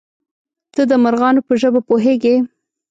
_ته د مرغانو په ژبه پوهېږې؟